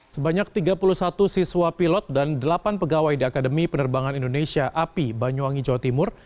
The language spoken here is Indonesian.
sebanyak tiga puluh satu siswa pilot dan delapan pegawai di akademi penerbangan indonesia api banyuwangi jawa timur